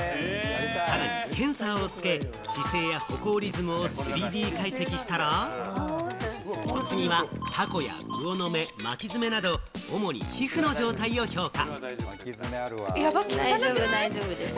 さらにセンサーをつけ、姿勢や歩行リズムを３Ｄ解析したら、次はタコや魚の目、巻き爪など、主に皮膚の状態を評価。